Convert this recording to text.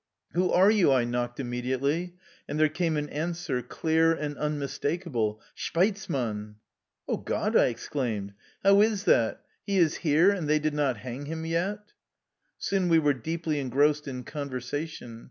" Who are you? " I knocked immediately, and there came an answer, clear and unmistakable, " Shpeizman.'' " О God !'' I exclaimed, " how is that? He is here, and they did not hang him yet !" Soon we were deeply engrossed in conversa tion.